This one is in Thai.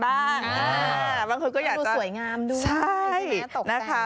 มีรูปสวยงามด้วยใช่นะคะ